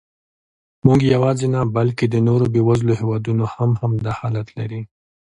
موږ یواځې نه، بلکې د نورو بېوزلو هېوادونو هم همدا حالت لري.